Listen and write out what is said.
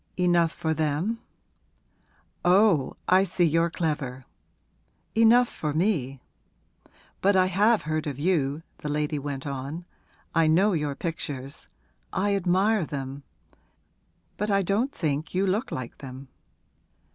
'Enough for them?' 'Oh, I see you're clever. Enough for me! But I have heard of you,' the lady went on. 'I know your pictures; I admire them. But I don't think you look like them.'